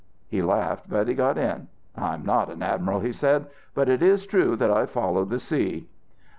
"'He laughed, but he got in. "I'm not an admiral," he said, "but it is true that I've followed the sea."'